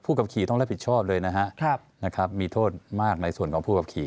กับขี่ต้องรับผิดชอบเลยนะครับมีโทษมากในส่วนของผู้ขับขี่